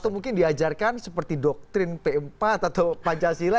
atau mungkin diajarkan seperti doktrin p empat atau pancasila